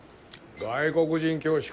外国人教師か。